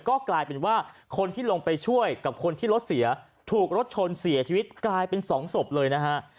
ก็กลายเป็นว่าคนที่ลงไปช่วยกับคนที่รถเสียถูกรถชนเสียชีวิตกลายเป็นสองศพเลยนะฮะ